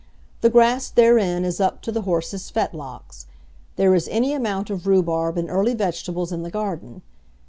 The grass therein is up to the horses' fetlocks. There is any amount of rhubarb and early vegetables in the garden.